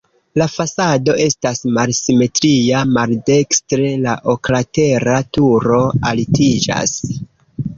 La fasado estas malsimetria, maldekstre la oklatera turo altiĝas.